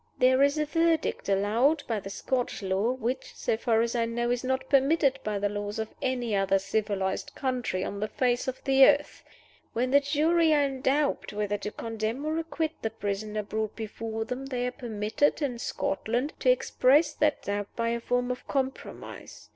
"There is a verdict allowed by the Scotch law, which (so far as I know) is not permitted by the laws of any other civilized country on the face of the earth. When the jury are in doubt whether to condemn or acquit the prisoner brought before them, they are permitted, in Scotland, to express that doubt by a form of compromise.